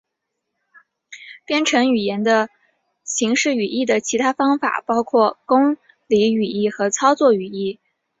编程语言的形式语义的其他方法包括公理语义和操作语义。